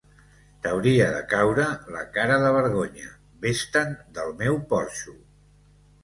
T'hauria de caure la cara de vergonya, ves-te'n del meu porxo!